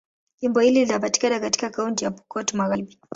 Jimbo hili linapatikana katika Kaunti ya Pokot Magharibi.